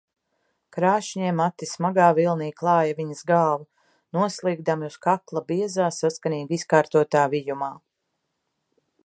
Krāšņie mati smagā vilnī klāja viņas galvu, noslīgdami uz kakla biezā, saskanīgi izkārtotā vijumā.